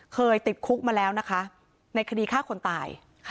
เคยติดคุกมาแล้วนะคะในคดีฆ่าคนตาย